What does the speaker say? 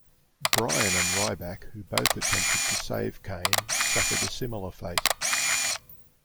Bryan and Ryback, who both attempted to save Kane, suffered a similar fate.